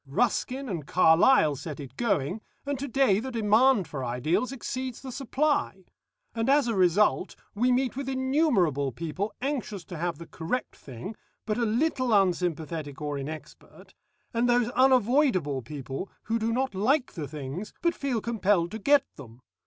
Ruskin and Carlyle set it going, and to day the demand for ideals exceeds the supply. And as a result, we meet with innumerable people anxious to have the correct thing, but a little unsympathetic or inexpert, and those unavoidable people who do not like the things but feel compelled to get them.